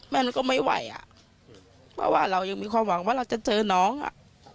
มันก็ไม่ไหวอ่ะเพราะว่าเรายังมีความหวังว่าเราจะเจอน้องอ่ะ